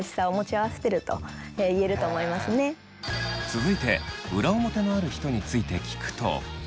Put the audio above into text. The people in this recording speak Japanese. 続いて裏表のある人について聞くと。